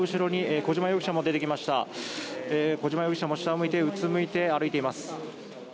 小島容疑者も下を向いてうつむいて歩いています。